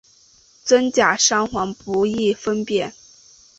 真假桑黄不易分辨。